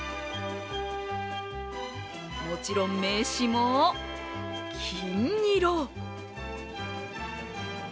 もちろん、名刺も金。